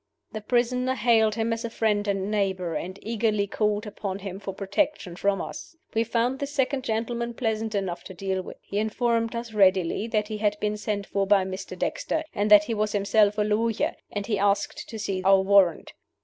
The prisoner hailed him as a friend and neighbor, and eagerly called upon him for protection from us. We found this second gentleman pleasant enough to deal with. He informed us readily that he had been sent for by Mr. Dexter, and that he was himself a lawyer, and he asked to see our warrant.